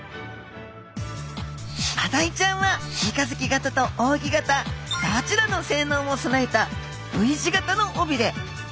マダイちゃんは三日月形と扇形どちらの性能も備えたＶ字形の尾びれ。